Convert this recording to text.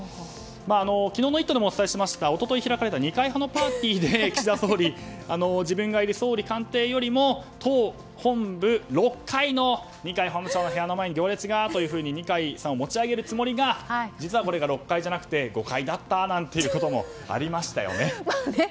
昨日の「イット！」でもお伝えしました、一昨日開かれた二階派のパーティーで、岸田総理自分がいる総理官邸よりも党本部６階の二階本部長の部屋の前に行列がというふうに二階幹事長を持ち上げたつもりが実はこれが６階じゃなくて５階だったということもありましたよね。